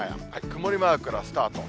曇りマークからスタート。